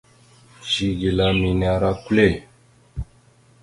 Zigla mene ara kwal.